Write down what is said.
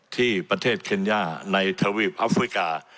ที่ประเทศเคนย่าในทวีปอัฟริกา